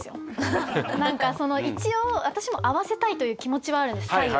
何か一応私も合わせたいという気持ちはあるんです左右。